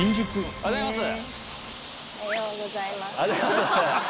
おはようございます。